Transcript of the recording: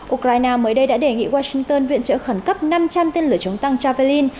ukraine mới đây đã đề nghị washington viện trợ khẩn cấp năm trăm linh tên lửa chống tăng javalin